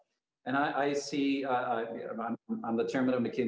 jadi itu adalah alam yang tidak yakin